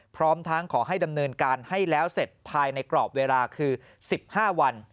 พร้อมทั้งขอให้ดำเนินการให้แล้วเสร็จภายในกรอบเวลาคือ๑๕วัน